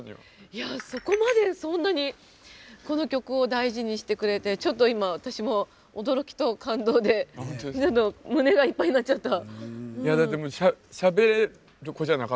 そこまでそんなにこの曲を大事にしてくれてちょっと今私も驚きと感動で胸がいっぱいになっちゃった。